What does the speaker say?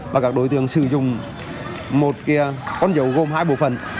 và các đối tượng sử dụng một con dấu gồm hai bộ phần